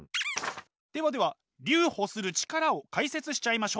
ではでは留保する力を解説しちゃいましょう！